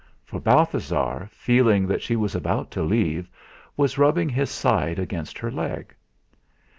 For Balthasar, feeling that she was about to leave, was rubbing his side against her leg.